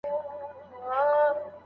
خلګ دا رواجونه لازم نه ګڼي.